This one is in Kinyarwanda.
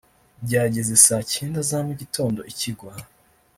byageze saa cyenda za mu gitondo ikigwa